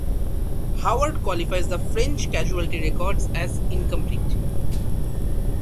Howard qualifies the French casualty records as 'incomplete'.